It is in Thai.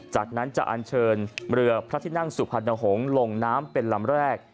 จากนั้นจะอันเชิญเรือพระที่นั่งสุพรรณหงษ์ลงน้ำเป็นลำแรก